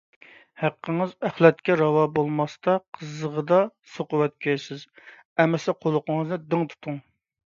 ھەققىڭىز ئەخلەتكە راۋان بولماستا قىززىغىدا سوقۇۋەتكەيسىز. ئەمسە قۇلىقىڭىزنى دىڭ تۇتۇڭ: